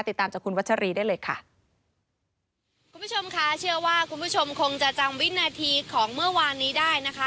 ติดตามจากคุณวัชรีได้เลยค่ะคุณผู้ชมค่ะเชื่อว่าคุณผู้ชมคงจะจำวินาทีของเมื่อวานนี้ได้นะคะ